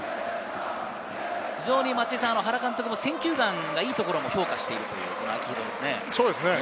非常に原監督も選球眼がいいところも評価しているという秋広ですね。